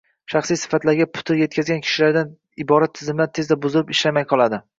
shaxsiy sifatlariga putur yetgan kishilardan iborat tizimlar tezda buzilib, ishlamay qoladi